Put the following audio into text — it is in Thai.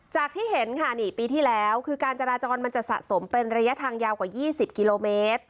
ที่เห็นค่ะนี่ปีที่แล้วคือการจราจรมันจะสะสมเป็นระยะทางยาวกว่า๒๐กิโลเมตร